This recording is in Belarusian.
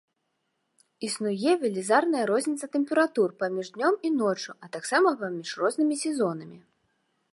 Існуе велізарная розніца тэмператур паміж днём і ноччу, а таксама паміж рознымі сезонамі.